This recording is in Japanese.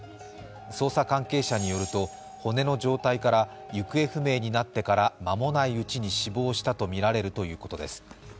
捜査関係者によると、骨の状態から行方不明になってから間もないうちに死亡したとみられるということです。